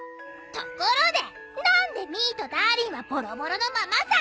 ところで何でミーとダーリンはボロボロのままさ！